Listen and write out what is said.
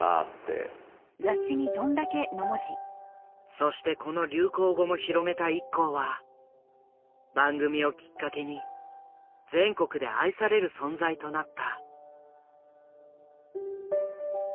そしてこの流行語も広めたＩＫＫＯは番組をきっかけに全国で愛される存在となった。